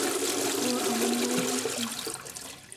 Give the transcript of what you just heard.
ও আমার মায়ের মতো।